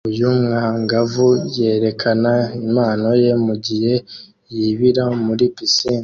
Uyu mwangavu yerekana impano ye mugihe yibira muri pisine